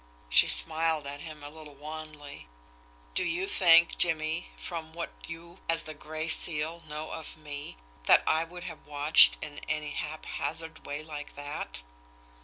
She smiled at him a little wanly. "Do you think, Jimmie, from what you, as the Gray Seal, know of me, that I would have watched in any haphazard way like that?"